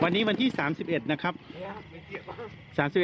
วันนี้ที่วันที่๓๑